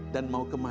dan mau kembali